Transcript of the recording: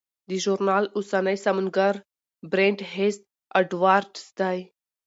د ژورنال اوسنی سمونګر برینټ هیز اډوارډز دی.